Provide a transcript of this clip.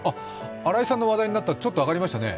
新井さんの話題になったらちょっと上がりましたね。